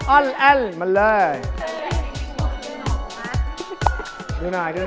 ออนแอลมาเลย